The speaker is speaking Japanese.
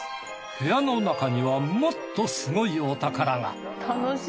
部屋の中にはもっとすごいお宝が！